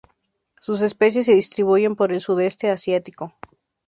Sus especies se distribuyen por el Sudeste Asiático.